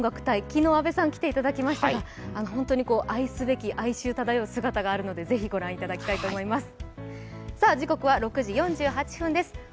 昨日、阿部さん、来ていただきましたが、本当に愛すべき哀愁漂う姿があるのでぜひ御覧いただきたいと思います。